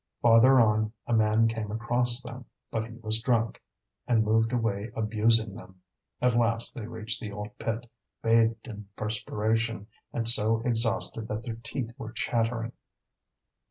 Farther on, a man came across them, but he was drunk, and moved away abusing them. At last they reached the old pit, bathed in perspiration, and so exhausted that their teeth were chattering.